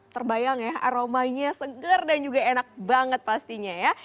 terbayang ya aromanya seger dan juga enak banget pastinya ya